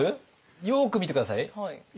よく見て下さい。